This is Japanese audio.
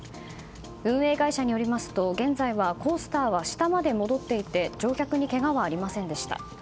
運営会社によりますと、現在はコースターは下まで戻っていて乗客にけがはありませんでした。